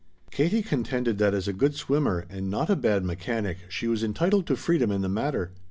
Katie contended that as a good swimmer and not a bad mechanic she was entitled to freedom in the matter.